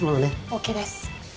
ＯＫです。